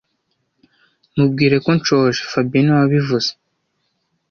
Mubwire ko nshonje fabien niwe wabivuze